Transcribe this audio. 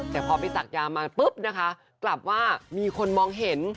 แต่พอไปสักยามาปุ๊บนะคะกลับว่ามีคนมองเห็น